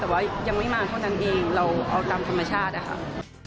แต่ว่ายังไม่มาเท่านั้นเองเราเอาตามธรรมชาติอะค่ะ